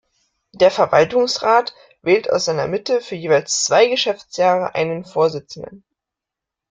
Der Verwaltungsrat wählt aus seiner Mitte für jeweils zwei Geschäftsjahre einen Vorsitzenden.